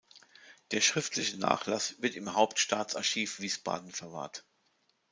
Der schriftliche Nachlass wird im Hauptstaatsarchiv Wiesbaden verwahrt.